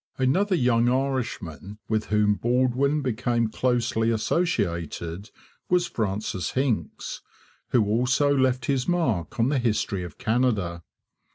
Another young Irishman with whom Baldwin became closely associated was Francis Hincks, who also left his mark on the history of Canada.